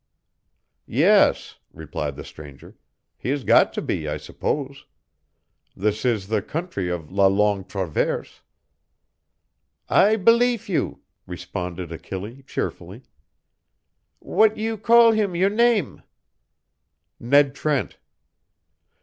"Yes," replied the stranger, "he has got to be, I suppose. This is the country of la Longue Traverse." "I beleef you," responded Achille, cheerfully; "w'at you call heem your nam'?" "Ned Trent."